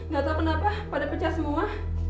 gak tahu kenapa pada pecah semua